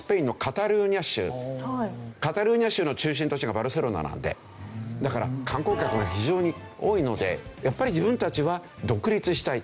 カタルーニャ州の中心都市がバルセロナなのでだから観光客が非常に多いのでやっぱり自分たちは独立したい。